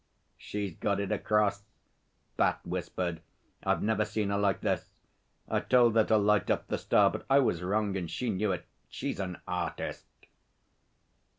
'She's got it across,' Bat whispered. 'I've never seen her like this. I told her to light up the star, but I was wrong, and she knew it. She's an artist.'